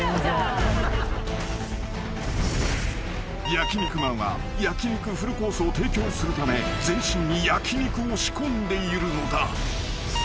［焼肉マンは焼き肉フルコースを提供するため全身に焼き肉を仕込んでいるのだ］